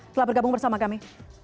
telah bergabung bersama kami